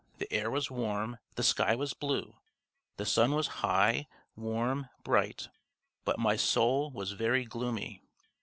The air was warm, the sky was blue, the sun was high, warm, bright, but my soul was very gloomy.